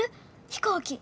飛行機。